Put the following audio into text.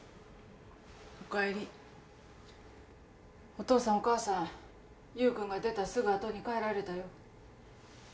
お父さんお母さん優君が出たすぐ後に帰られたよ。